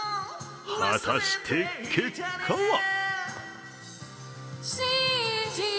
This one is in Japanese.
果たして結果は？